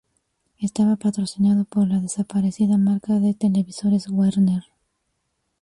Estaba patrocinado por la desaparecida marca de televisores Werner.